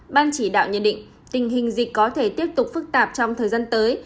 ban chỉ đạo nhận định tình hình dịch có thể tiếp tục phức tạp trong thời gian tới